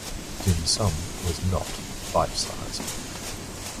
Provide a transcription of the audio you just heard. Dim Sum was not bite-sized.